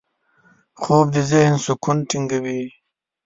خوب د ذهن سکون ټینګوي